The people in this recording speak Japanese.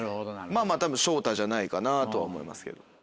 たぶん翔太じゃないかなとは思いますけど。